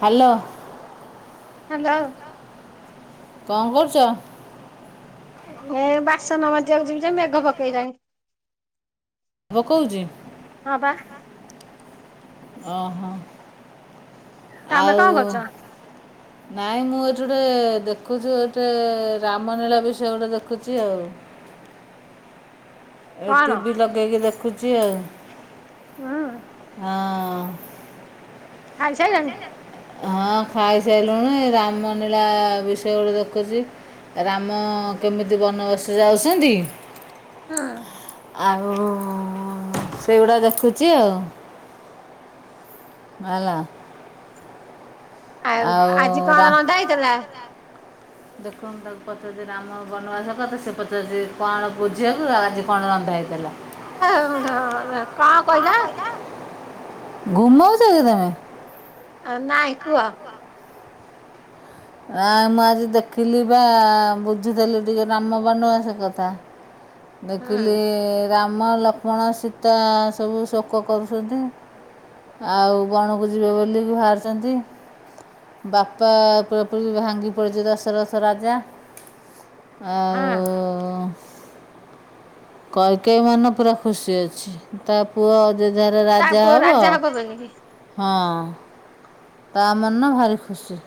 Hello. Hello. କଣ କରୁଚ? ଏ ବାସନ ମଜିବାକୁ ଯିବି ଯେ ମେଘ ପକେଇଲାଣି। ପକୋଉଚି? ହଁ ପା। ଓହୋ। ତମେ ଆଉ କଣ କରୁଛ? ନାଇଁ ମୁଁ ଏଇଠି ଗୋଟେ ଦେଖୁଚି ଗୋଟେ ରାମନୀଳା ବିଷୟ ରେ ଗୋଟେ ଦେଖୁଚି ଆଉ। ଏ କଣ ଟିଭିି ଲଗେଇକି ଦେଖୁଚି ଆଉ। ହଁ। ହଁ। ଖାଇସଇଲଣି? ହଁ ଖାଇସାଇଲୁଣି ରାମନୀଳା ବିଷୟ ଗଟେ ଦେଖୁଚି। ରାମ କେମିତି ବନବସ ଯାଉସନ୍ତି ହଁ। ଆଉ ଉ ଉ ଉ, ସେଇଗୁଡା ଦେଖୁଛି ଆଉ। ବାଲା। ଆଉ ଆଜି କଣ ରନ୍ଧା ହେଇଥିଲା? [inaudible] ଦେଖନ୍ତୁ ତାଙ୍କୁ ପଚାରୁଚି ରାମ ବନବାସ କଥା, ସେ ପଚାରୁଚି କଣ ବୁଝି ଆକୁ ଆଉ ଆଜି କଣ ରନ୍ଧା ହେଇଥିଲା? ଏ [unintelligible] କଣ କହିଲା ଗୁମଉଚ କି ତମେ? ଅ ଆଉ ନାଇଁ, କୁହ? ଆଉ ମୁଁ ଆଜି ଦେଖିଲି ବା, ବୁଝୁଥିଲି ଟିକେ ରାମ ବନବାସ କଥା। ଦେଖିଲି ହୁଁ ରାମ, ଲକ୍ଷ୍ମଣ, ସୀତା ସବୁ ଶୋକ କରୁଛନ୍ତି। ଆଉ ବଣକୁ ଯିବେ ବୋଲି କି, ଭାରୁଛନ୍ତି। ବାପା ପୁରାପୁରି ଭାଙ୍ଗି ପଡିଛି, ଦଶରଥ ରାଜା। ଆଉ ହଁ। ଉ ଉ। କହିକ ମନ ପୁରା ଖୁସି ଅଛି। ତା ପୁଅ। ଯେ ଯାହାର ତା ରାଜା ପୁଅ ହବ। ବୋଲିକି ହଁ। ତା ମନ ଭାରି ଖୁସି।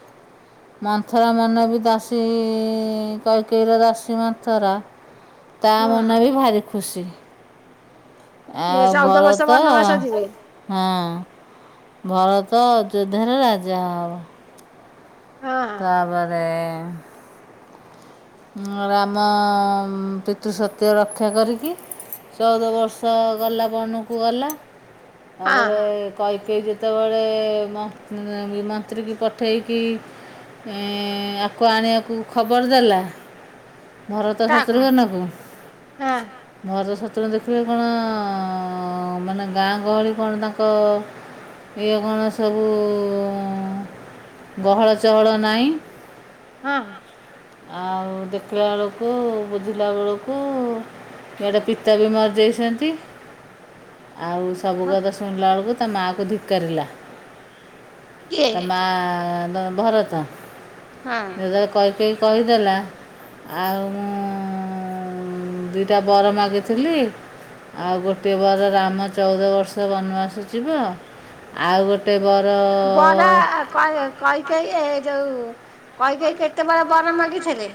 ମନ୍ଥରା ମନ ବି ଦାସୀ ଇ ଇ, କ୍ଏକେଇର ଦାସୀ ମନ୍ଥରା। ତା ହୁଁ ମନ ବି, ଭାରି ଖୁସି। ଇଏ ଆଉ ଚଉଦ ବର୍ଷ ଭରତ, ବନବାସ ଯିବେ। ହଁ। ଭରତ, ଅଯୋଧ୍ୟାର ରାଜା ହବ। ହଁ ତା ପରେ। ରାମ, ପିତୃ ସତ୍ୟ ରକ୍ଷା କରିକି। ଚଉଦ ବର୍ଷ ଗଲା, ବନକୁ ଗଲା। ହଁ ତାପରେ କୈକେୟୀ ଯେତେବେଳେ ଏ ମନ୍ତ୍ରୀକି ପଠେଇକି ଏଁ ଏଁ ଆକୁ ଆଣିବାକୁ, ଖବର ଦେଲା। ଭରତ, କାହାକୁ ଶତୃଘନ କୁ। ହଁ ଭରତ, ଶତ୍ରୁଘ୍ନ ଦେଖିଲେ କଣ ଅ ଅ ଅ, ମାନେ ଗାଁ ଗହଳି କଣ ତାଙ୍କ? ଇଏ କଣ ସବୁ ଉଉଉ ଗହଳ, ଚହଳ ନାହିଁ। ହଁ। ଆଉ ଦେଖିଲା ବେଳକୁ, ବୁଝିଲା ବେଳକୁ। କେଡେ ପିତା ବି, ମର୍ ଯାଇଛନ୍ତି। ଆଉ ସବୁ ହଁ କଥା ଶୁଣିଲା ଆଳକୁ, ତା ମାଆ କୁ ଧିକାରିଲା। କିଏ? ମା ଦ ଭରତ। ହଁ। ଏରେ କୈକେୟୀ କହିଦେଲା, ଆଉ ମୁଁ ଉଁ ଦିଟା ବର ମାଗିଥିଲି। ଆଉ ଗୋଟେ ବାର ରାମ, ଚଉଦ ବର୍ଷ ବନବାସ ଯିବ। ଆଉ ଗୋଟେ ବର ଅ ଅ କୈ କୈକେୟୀ ଏ ଯୋଉ, କୈକେୟୀ କେତେବେଳେ ବର ମାଗିଥିଲେ?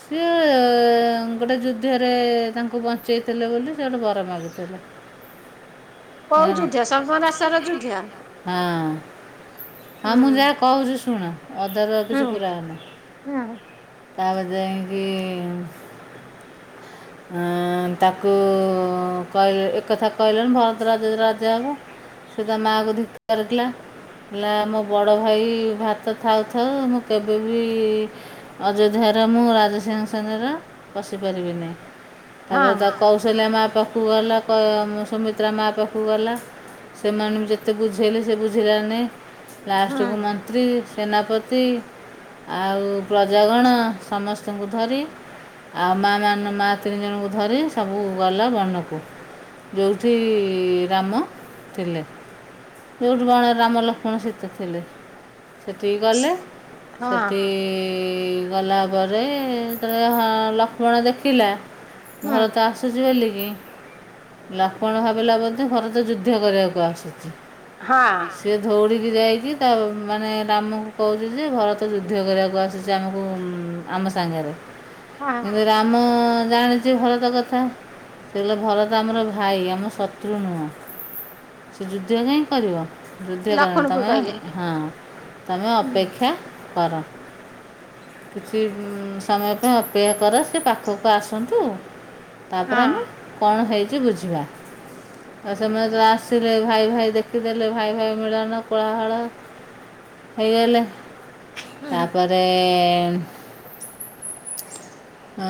ସିଏ ଏ ଏ ଗୋଟେ ଯୁଦ୍ଧରେ ତାଙ୍କୁ ବଞ୍ଚେଇଥିଲେ ବୋଲି, ସେ ଠୁ ବର ମାଗିଥିଲେ। କୋଉ ଯୁଦ୍ଧଵ, ସର୍ବନାଶର ଯୁଦ୍ଧା। ହଁ। ହଁ ମୁଁ ଯାହା କହୁଚି ଶୁଣ। ଅଦାରୁ ଆଉ ହୁଁ କିଛି ପୁରାଅନା। ହୁଁ ତାପରେ ଯାଇକି ଅଁ ଅଁ ତାକୁ ଉ ଉ କହିଲ୍, ଏକଥା କହିଲେଣିି ଭାରତ ରାଜ୍ୟ ର ରାଜା ହେବ। ସେ ତା ମା କୁତିକି ଧକାରଖିଲା। ହେଲା ମୋ ବଡ ଭାଇ ଭାତ ଥାଉ, ଥାଉ, ମୁଁ କେବେବି ଅଯୋଧ୍ୟାର ମୁଁ ରାଜସିଂହାସନର ବସିପାରିବିନି। ହଁ ତାପରେ ତା କୌଶଲ୍ୟା ମା ପାଖକୁ ଗଲା କ ସୁମିତ୍ରା ମା ପାଖକୁ ଗଲା। ସେମାନେଙ୍କୁ ଯେତେ ବୁଝେଇଲେ ସେ ବୁଝିଲା ନି। ହୁଁ ଲାଷ୍ଟକୁ ମନ୍ତ୍ରୀ, ସେନାପତି ଆଉ ପ୍ରଜଗଣ ସମସ୍ତଙ୍କୁ ଧରି ଆଉ ମା ମାନେ ମା ତିନି ଜଣଙ୍କୁ ଧରି ସବୁ ଗଲା ବନକୁ। ଯଉଠି ରାମ ଥିଲେ। କଉଠୁ କଣ ରାମ ଲକ୍ଷ୍ମଣ ସୀତା ଥିଲେ। ସେଠିକି ଗଲେ ହଁ ସେଠି ଗଲା ପରେ ଯେତବଳେ ହଁ ଲକ୍ଷ୍ମଣ ଦେଖିଲା ହୁଁ ଭରତ ଆସୁ ଆସୁଛି ବୋଲି କିି ଲକ୍ଷ୍ମଣ ଭାବିଲା ବୋଧେ ଭରତ ଯୁଦ୍ଧ କରିବାକୁ ଆସୁଚି। ହଁ। ସିଏ ଧଉଳିଗିରି ଆଇକି ତା ମାନେ ରାମକୁ କହୁଛି ଯେ ଭରତ ଯୁଦ୍ଧ କରିବାକୁ ଆସିଛି। ଆମକୁ ଆମ ସାଙ୍ଗରେ ହଁ କିନ୍ତୁ ରାମ ଜାଣିଛି ଭରତ କଥା। ସେ କହିଲେ ଭରତ ଆମର ଭାଇ ଆମ ଶତ୍ରୁ ନୁହଁ। ସେ ଯୁଦ୍ଧ କାହିଁ କରିବ? ଯୁଦ୍ଧ କରନି। ଲକ୍ଷ୍ମଣକୁ ତମେ କହିଲେ ହଁ ତମେ ହୁଁ ଅପେକ୍ଷା କର କିଛି ସମୟ ପାଇଁ ଅପେକ୍ଷା କର ସେ ପାଖକୁ ଆସନ୍ତୁ। ନ୍ତୁ ତାପରେ ଆମେ ହଁ କଣ ହେଇଚି ବୁଝିବା। ଆଉ ସେମାନେ ଯଉ ଆସିଲେ ଭାଇ ଭାଇ ଦେଖିଦେଲେ ଭାଇ, ଭାଇ ମିଳନ କୁଳାହଳ ହେଇ ଗଲା? ହୁଁ ତାପରେ ଆ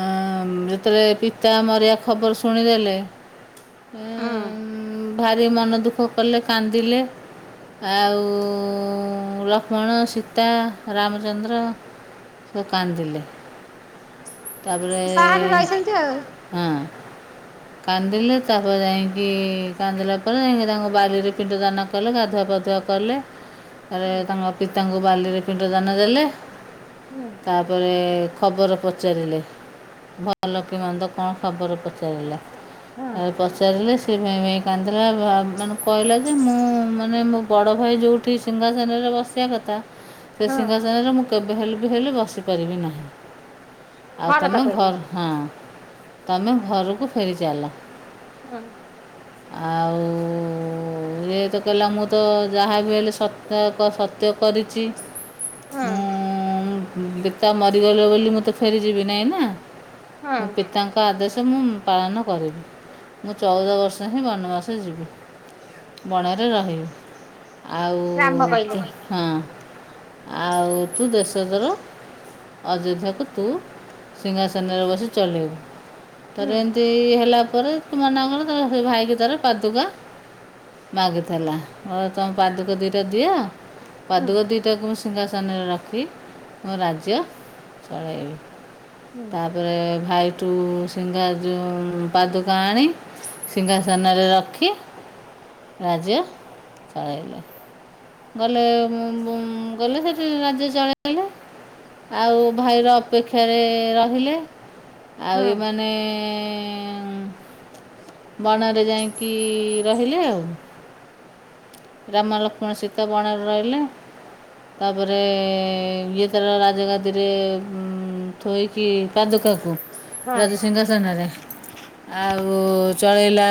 ମ। ଯେତେବେଳେ ପିତା ମରିବା ଖବର ଶୁଣିଦେଲେ ହୁଁ ଉମ୍ ଭାରି ମନ ଦୁଃଖ କଲେ କାନ୍ଦିଲେ। ଆଉ ଲକ୍ଷ୍ମଣ, ସୀତା, ରାମଚନ୍ଦ୍ର। ସବୁ କାନ୍ଦିଲେ ତାପରେ [unintelligible] ହଁ। କାନ୍ଦିଲେ ତା ପରେ ଯାଇଁକି କାନ୍ଦିଲା ପରେ ଯାଇଁକି ତାଙ୍କ ବାଲିରେ ପିଣ୍ଡ ଦାନ କଲେ ଗାଧୁଆ, ପାଧୁଆ କଲେ। ତାରେ ହୁଁ ତାଙ୍କ ପିତାଙ୍କୁ ବାଲିରେ ପିଣ୍ଡ ଦାନ ଦେଲେ। ହୁଁ। ତା ପରେ ଖବର ପଚାରିଲେ। ଭଲ କି ମନ୍ଦ କଣ ଖବର ପଚାରିଲା ହଁ ତାଆ ପଚାରିଲେ ସେ ଭେଁ, ଭେଁ ହେଇ କାନ୍ଦିଲା ମାନେ କହିଲା ଯେ ମୁଁ ମାନେ ମୋ ବଡ଼ ଭାଇ ଯୋଉଠି ସିଂହାସନରେ ବସି ବସିବା କଥା ସେ ହଁ ସିଂହାସନରେ ମୁଁ କେବେ ହେଲେ ବି ହେଲେ ବସିପାରିବି ନାହିଁ। ଆଉ ଭରତ ତମେ କହିଲେ ଘର ହଁ ତମେ ଘରକୁ ଫେରି ଚାଲ। ହଁ। ଆଉ। ଆଉ ଇଏତ କହିଲା ମୁଁ ତ ଯାହାବି ହେଲେ ସତା ସତ୍ୟ କରିଛି। ହୁଁ ମୁଁ ପିତା ମରିଗଲେ ବୋଲି ମୁଁ ତ ଫେରିଯିବି ନାଇଁ ନା। ମୋ ହୁଁ ପିତାଙ୍କ ଆଦେଶ ମୁଁ ପାଳନ କରିବି ମୁଁ ଚଉଦ ବର୍ଷ ହିଁ ବନବାସ ଯିବି। ବଣରେ ରହିବି ରାମ କହିଲେ ଆଉ। ହଁ ଆଉ ତୁ ଦେଶ ଦୋର ଅଯୋଧ୍ୟାକୁୁ ତୁ ସିଂହାସନରେ ବସି ଚଲେଇବୁ ହୁଁ ତାରେ ଏମିତି ହେଲା ପରେ ତୁ ମନା କଲା ତ ଭାଇକି ତାର ପାଦୁକା ମାଗିଥିଲା। କହିଲା ତମ ପାଦୁକା ଦିଟା ଦିଅ ହୁଁ ପାଦୁକ ଦିଟାକୁ ମୁଁ ସିଂହାସନରେ ରଖି ମୋ ରାଜ୍ୟ ଚଳାଇବି। ହୁଁ। ତାପରେ ଭାଇ ଠୁ ସିଂହା ଯୋଉ ପାଦୁକା ଆଣି ସିଂହାସନରେ ରଖି ରାଜ୍ୟ ଚଳାଇଲେ। ଗଲେ ମୁଁ ବୁ ଗଲେ ସେ ରାଜ୍ୟ ଚଳେଇଲେ ଆଉ ଭାଇର ଅପେକ୍ଷାରେ ରହିଲେ। ଆଉ ହୁଁ ଏମାନେ ହୁଁ, ବଣରେ ଯାଇକି ରହିଲେ ଆଉ। ରାମ, ଲକ୍ଷ୍ମଣ, ସୀତା ବଣରେ ରହିଲେ। ତାପରେ ଇଏ ତାର ରାଜଗାଦିରେ ଥୋଇକି ପାଦୁକାକୁ ହଁ ରାଜସିଂହାସନରେ ଆଉ ଚଳେଇଲା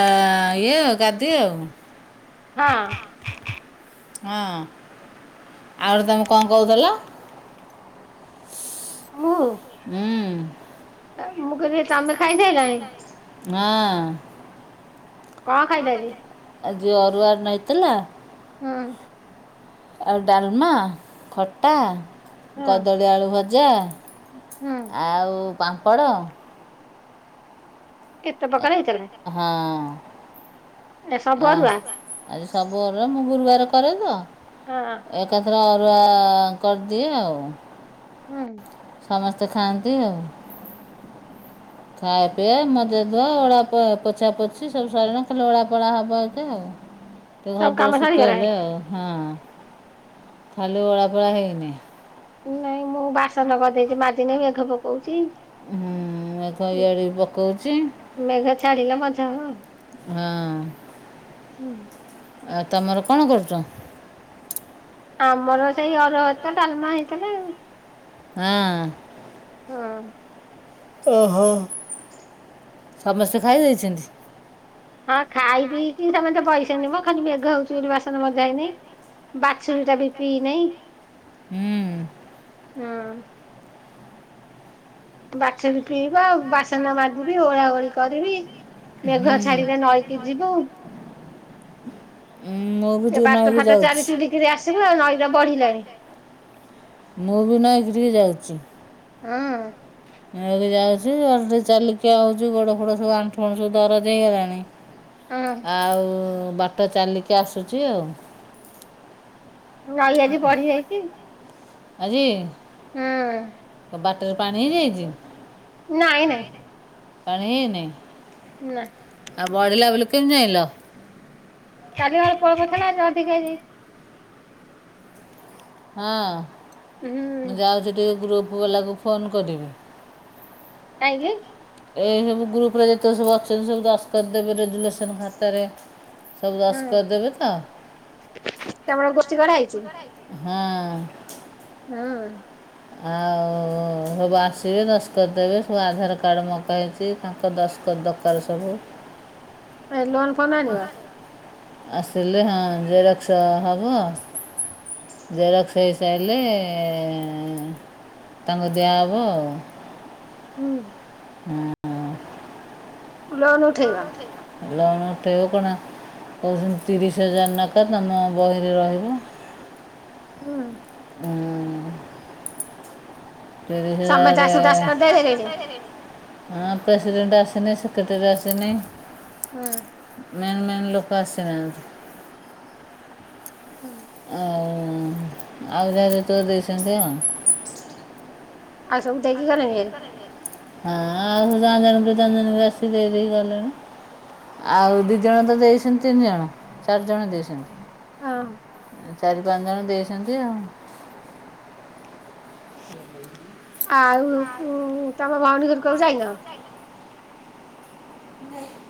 ଇଏ ଆଉ ଗାଦି ଆଉ। ହଁ ହଁ ଆଉରି ତମେ କଣ କହୁଥିଲ? ମୁଁ। ହୁଁ ମୁଁ କହିଲି ତମେ ଖାଇ ସାଇଲଣି? ହଁ କଣ ଖାଇଲ ଆଜି? ଆଜିି ଅରୁଆ ଅନ୍ନ ହେଇଥିଲା। ହୁଁ। ଆଉ ଡାଲମା, ଖଟା, ହୁଁ କଦଳୀଆଳୁଭଜା ହୁଁ ଆଉ ପାମ୍ପଡ଼ କେତେ ପକାରେ ହେଇଥିଲେ। ହଁ ସବୁ ଅ ଅରୁଆ ଆରେ ସବୁଅରେ ମୁଁ ଗୁରୁବାର କରେ ତ ହଁ ଏକାଥରେ ଅରୁଆ କରିଦିଏ ଆଉ ହୁଁ ସମସ୍ତେ ଖାଆନ୍ତି ଆଉ ଖାୟାପିଆ ମଜାଧୁଆ ଓଳାପ ପୋଛାପୋଛି ସବୁ ସରିଣ ଖାଲି ଓଳାପଳା ହବ ଆକା [inaudible] ଟିକେ ସବୁ ଘରଦଳେ କାମ ସରିଗଲାଣି? ଶୁଖିଗଲେ ଆଉ ହଁ ଖାଲି ଓଳାପଳା ହେଇନି। ନାଇଁ ମୁଁ ବାସନ ଗଦେଇଚି ମାଜିନି ମେଘ ପକଉଛି। ହୁଁ, ମେଘ ଇଆଡ଼େ ବି ପକଉଚି। ମେଘ ଛାଡିଲେ ମଜା ହବ ଆଉ। ହଁ ହୁଁ ଏ ତମର କଣ କରୁଚ? ଆମର ସେଇ ଅରୁଆଭାତ ଡାଲମା ହେଇଥିଲା ଆଉ। ହଁ। ହଁ। ଓହୋ ସମସ୍ତେ ଖାଇ ଦେଇଛନ୍ତି। ହଁ ଖାଇପିଇକି ସମସ୍ତେ ବଇସନ୍ତି ମ ଖାଲି ମେଘ ହେଉଛିବୋଲି ବାସନମଜା ହେଇନାଇ। ବାଛୁରୀ ଟା ବି ପିଇନାଇଁ। ହୁଁ। ହଁ। ବାଛୁରୀ ପିଇବ, ବାସନ ମାଜିବି ଓଳାଓଳି କରିବି। ମେଘ ଛାଡିରେ ନଈକି ଯିବୁ। ହୁଁ ଉନ୍ ମୁ ଏ ବାଟ ଫାଟ ଚାଲି ଚୁଲିକିରି ଆସିବ ଆଉ ନଈଟା ବଢିଲାଣି। ମୁଁ ବି ନଇ ତୁଠ କୁ ଯାଉଚି। ଉଁ। ଇଆଡ଼େ ଯାଉଚି ଆଉଥେଟିକେ ଚାଲିକି ଆଉଚି ଗୋଡଫୋଡ ସବୁ ଆଣ୍ଠୁଗଣ୍ଠି ସବୁ ଦରଜ ହେଇଗଲାଣି। ହଁ ଆଉ ବାଟ ଚାଲିକି ଆସୁଛି ଆଉ। ନଈ ଆଜି ବଢି ଯାଇଛି। ଆଜି ହୁଁ। ବାଟରେ ପାଣି ହେଇଯାଇଛି? ନାଇଁ ନାଇଁ [inaudible] ପାଣି ହେଇନାଇ ନା ଆଉ ବଢ଼ିଲା ବୋଲି କିନ ଜାଣିଲ? କାଲି ଅଳ୍ପଅଳ୍ପ ଥିଲା ଆଜି ଅଧିକା ହେଇଯାଇଛି। ହଁ ହୁଁ ମୁଁ ଯାଉଛି ଟିକେ ଗ୍ରୁପ୍ ବାଲାକୁ ଫୋନ୍ କରିବି। କାହିଁକି? ଏ ସବୁ ଗ୍ରୁପ ରେ ଯେତେକ ସବୁ ଅଛନ୍ତି ସବୁ ଦସକତ ଦେବେ ରେଜୁଲେସନ ଖାତା ରେ ସବୁ ହଁ ଦସକତ ଦେବେ ତ ତମର ଗୋଷ୍ଠୀ ଗଢ଼ାହେଇଛି। ହୁଁ ହୁଁ ଆଉଉ ସବୁ ଆସିବେ ଦସ୍ତକ ଦେବେ ସବୁ ଆଧାରକାର୍ଡ ମଗା ହେଇଚି। ତାଙ୍କ ଦସ୍ତକ ଦରକାର ସବୁ ଏ ଲୋନଫୋନ ଆଣିବ। ଆସିଲେ ହଁ ଜେରକ୍ସ ହବ। ଜେରକ୍ସ ହେଇସାରିଲେ ତାଙ୍କୁ ଦିଆ ହବ ଆଉ ହୁଁ ହୁଁ ଲୋନ ଉଠେଇଅ ଲନ ଉଠେଇବୁ କଣ କହୁଛନ୍ତି ତିରିଶ ହଜାର [unintelligible] ତମ ବହିରେ ରହିବ। ହୁଁ ହଁ ତିରିଶ ସମସ୍ତେ ଆସି ଦାସ ହଜାର କରିଦେଇ ଗଲେଣି ହଁ ପ୍ରେସିଡେଣ୍ଟ ଆସିନି ସେକ୍ରେଟାରି ଆସିନି ହଁ ମେନ ମେନ୍ ଲୋକ ଆସିନାହାନ୍ତି। ହୁଁ। ଆଉ ଆଉ ଯାହା ତୋ [unintelligible] ଆଉ ସବୁ ଦେଇକି ଗଲେ [unintelligible] ଆ ଆଉ [unintelligible] ଆଉ ଦିଇ ଜଣ ତ ଦେଇଛନ୍ତି ତିନି ଜଣ ଚାରି ଜଣ ହଁ ଦେଇଛନ୍ତି। ଚାରି ପାଞ୍ଚ ଜଣ ଦେଇଛନ୍ତି ଆଉ। [inaudible] ଆଉ ତମ ଭଉଣୀ ଘର କୁ ଯାଇନ? ନାଇଁ।